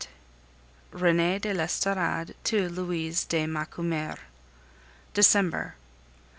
RENEE DE L'ESTORADE TO LOUISE DE MACUMER December.